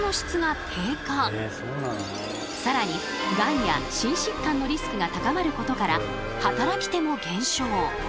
さらにガンや心疾患のリスクが高まることから働き手も減少。